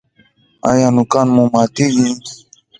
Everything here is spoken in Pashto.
ایا نوکان مو ماتیږي؟